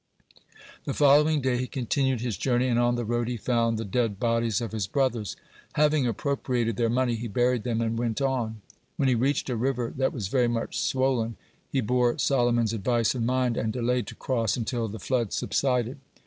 The following day he continued his journey, and on the road he found the dead bodies of his brothers. Having appropriated their money, he buried them, and went on. When he reached a river that was very much swollen, he bore Solomon's advice in mind, and delayed to cross until the flood subsided.